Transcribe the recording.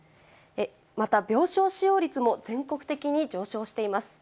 また病床使用率も全国的に上昇しています。